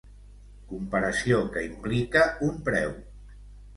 Comparació que implica un preu.